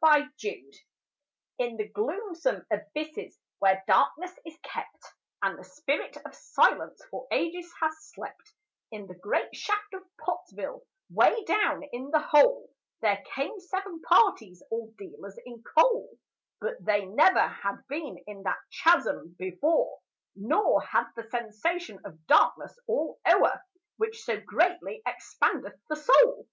CARRYING COALS In the gloomsome abysses where darkness is kept, And the spirit of silence for ages has slept, In the great shaft of Pottsville, way down in the hole, There came seven parties, all dealers in coal; But they never had been in that chasm before, Nor had the sensation of darkness all o'er, Which so greatly expandeth the soul.